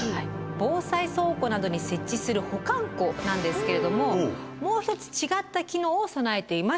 防災倉庫などに設置する保管庫なんですけれどももう一つ違った機能を備えています。